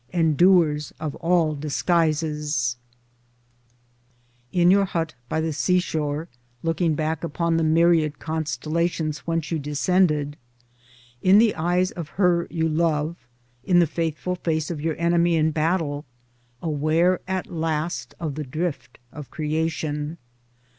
Enduers of all disguises ! In your hut by the sea shore looking back upon the myriad constellations whence you descended ! In the eyes of her you love, in the faithful face of your enemy in battle, aware at last of the drift of Creation